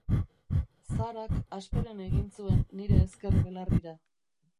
Zahrak hasperen egin zuen nire ezker belarrira.